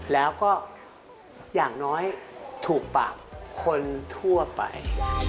แล้วก็อย่างน้อยถูกปากคนทั่วไป